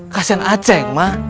kasian aceng ma